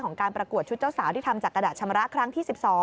การประกวดชุดเจ้าสาวที่ทำจากกระดาษชำระครั้งที่๑๒